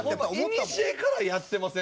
いにしえからやってません？